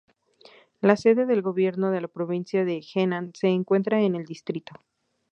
La sede del gobierno de la provincia de Henan se encuentra en el distrito.